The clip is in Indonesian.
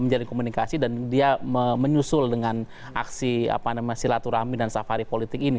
menjalin komunikasi dan dia menyusul dengan aksi silaturahmi dan safari politik ini